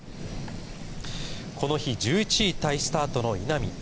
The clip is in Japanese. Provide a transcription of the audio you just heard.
この日１１位タイスタートの稲見。